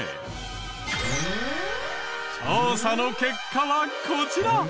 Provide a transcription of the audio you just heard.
調査の結果はこちら！